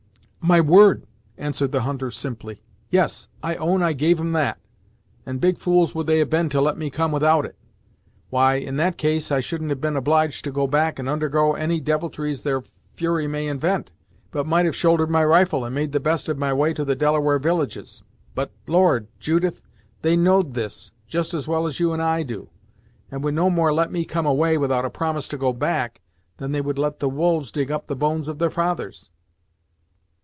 "My word," answered the hunter simply. "Yes, I own I gave 'em that, and big fools would they have been to let me come without it! Why in that case, I shouldn't have been obliged to go back and ondergo any deviltries their fury may invent, but might have shouldered my rifle, and made the best of my way to the Delaware villages. But, Lord! Judith, they know'd this, just as well as you and I do, and would no more let me come away, without a promise to go back, than they would let the wolves dig up the bones of their fathers!"